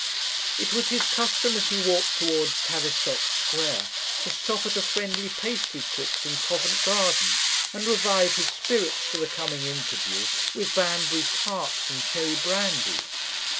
"It was his custom, as he walked towards Tavistock Square, to stop at a friendly pastry cook's in Covent Garden, and revive his spirits for the coming interview with Banbury tarts and cherry brandy.